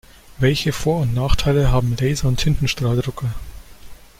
Welche Vor- und Nachteile haben Laser- und Tintenstrahldrucker?